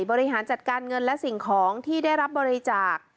บริหารจัดการเงินและสิ่งของที่ได้รับบริจาค